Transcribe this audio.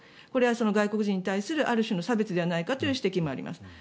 これは外国人に対するある種の差別ではないかという指摘もあります。